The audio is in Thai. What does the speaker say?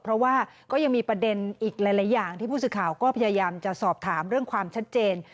เพราะว่าก็ยังมีประเด็นอีกหลายอย่างที่ผู้สื่อข่าวก็พยายามจะสอบถามเรื่องความชัดเจน